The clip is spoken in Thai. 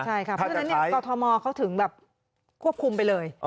ใช่ค่ะเพราะฉะนั้นกรทมเขาถึงแบบควบคุมไปเลย